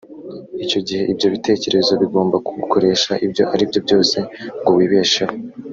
icyo gihe ibyo bitekerezo bigomba kugukoresha ibyo ari byo byose ngo wibesheho